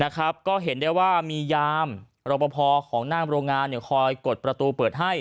ก็เห็นได้ว่ามียามรปภของหน้าโรงงานคอยกดประตูเปิดให้